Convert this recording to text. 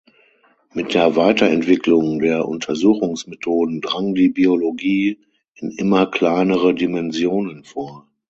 Mit der Weiterentwicklung der Untersuchungsmethoden drang die Biologie in immer kleinere Dimensionen vor.